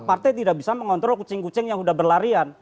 partai tidak bisa mengontrol kucing kucing yang sudah berlarian